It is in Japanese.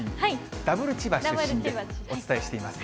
ダブル千葉出身でお伝えしています。